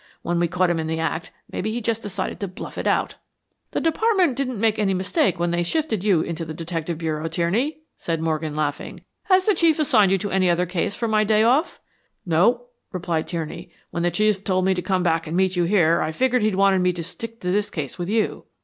When we caught him in the act, maybe he just decided to bluff it out." "The Department didn't make any mistake when they shifted you into the Detective Bureau, Tierney," said Morgan, laughing. "Has the Chief assigned you to any other case for my day off?" "No," replied Tierney. "When the Chief told me to come back and meet you here I figured he wanted me to stick to this case with you."